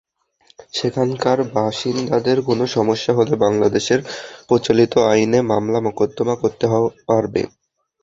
সেখানকার বাসিন্দাদের কোনো সমস্যা হলে বাংলাদেশের প্রচলিত আইনে মামলা-মোকদ্দমা করতে পারবে।